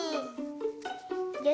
よし。